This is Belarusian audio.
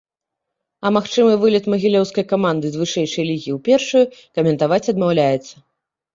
А магчымы вылет магілёўскай каманды з вышэйшай лігі ў першую, каментаваць адмаўляецца.